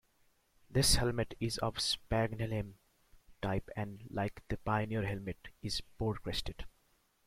This helmet is of the Spangenhelm type and like the Pioneer helmet is boar-crested.